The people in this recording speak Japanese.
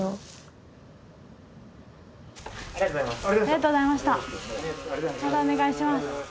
ありがとうございます。